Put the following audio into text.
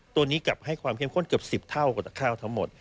ตัวนี้กลับให้ความเข้มข้นเกือบ๑๐เท่ากับข้าวทั้งหมด